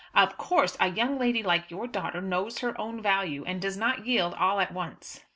Of course a young lady like your daughter knows her own value, and does not yield all at once."